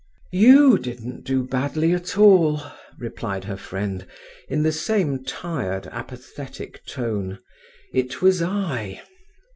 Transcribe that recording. "You didn't do badly at all," replied her friend, in the same tired, apathetic tone. "It was I."